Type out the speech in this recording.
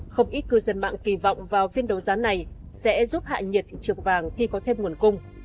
không ít cư dân mạng kỳ vọng vào phiên đấu giá này sẽ giúp hạ nhiệt thị trường vàng khi có thêm nguồn cung